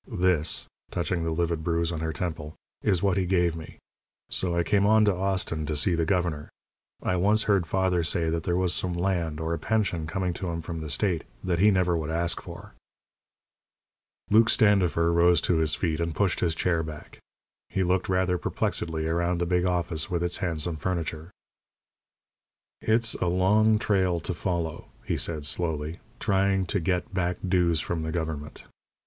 This," touching the livid bruise on her temple, "is what he gave me. So I came on to Austin to see the governor. I once heard father say that there was some land, or a pension, coming to him from the state that he never would ask for." Luke Standifer rose to his feet, and pushed his chair back. He looked rather perplexedly around the big office, with its handsome furniture. "It's a long trail to follow," he said, slowly, "trying to get back dues from the government.